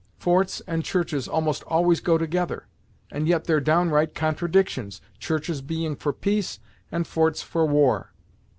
Forts and churches almost always go together, and yet they're downright contradictions; churches being for peace, and forts for war.